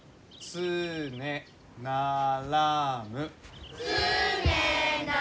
「つねならむ」。